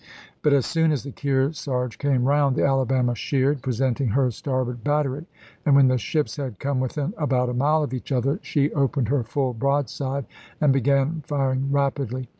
But as soon as the Kearsarge came round, the Alabama sheered, presenting her starboard battery, and when the ships had come within about a mile of each other, she opened her full broadside and began firing rapidly.